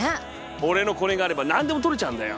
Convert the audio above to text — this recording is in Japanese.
俺のコネがあれば何でも取れちゃうんだよ。